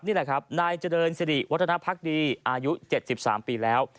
นี่แหละครับนายเจริญสิริวัฒนภักดีอายุ๗๓ปีแล้ว